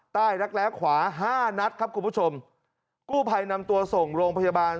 รักแร้ขวาห้านัดครับคุณผู้ชมกู้ภัยนำตัวส่งโรงพยาบาล